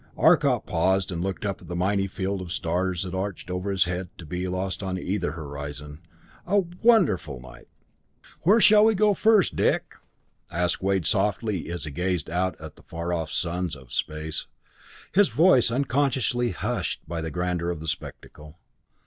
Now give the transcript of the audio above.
Arcot paused and looked up at the mighty field of stars that arched over his head to be lost on either horizon. A wonderful night! "Where shall we go first, Dick?" asked Wade softly as he gazed out at the far off suns of space, his voice unconsciously hushed by the grandeur of the spectacle.